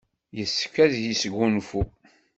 Yessefk ad yesgunfu.